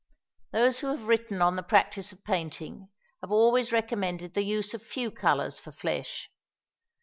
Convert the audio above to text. Those who have written on the practice of painting have always recommended the use of few colours for flesh.